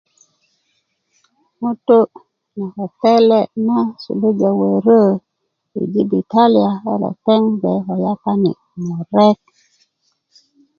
ŋutu na ko pele na suluja wörö i jibitali ko lepeŋ bge ko yapani murek